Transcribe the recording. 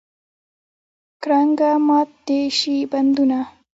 کرنګه مات دې شي بندونه.